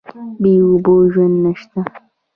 بې اوبو ژوند نشته.